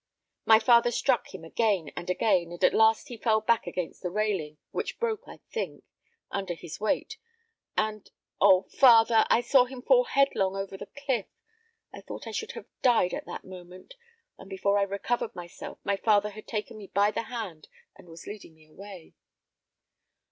My father struck him again and again, and at last he fell back against the railing, which broke, I think, under his weight, and oh! father, I saw him fall headlong over the cliff. I thought I should have died at that moment, and before I recovered myself my father had taken me by the hand and was leading me away.